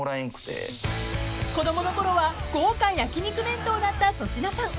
［子供のころは豪華焼き肉弁当だった粗品さん］